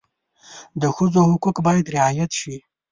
د ښځو حقوق باید رعایت شي.